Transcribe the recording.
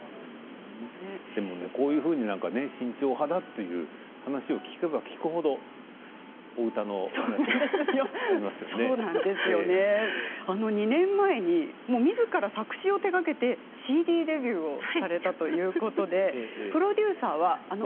でも、こういうふうに慎重派だという話を聞けば聞くほどお歌の話がね。２年前にみずから作詞を手がけてＣＤデビューをされたということでここなんです